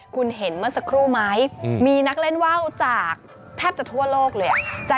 คุณเห็นเมื่อสักครู่ไหมมีนักเล่นว่าวจากแทบจะทั่วโลกเลย